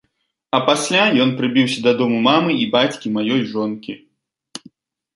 А пасля ён прыбіўся да дому мамы і бацькі маёй жонкі.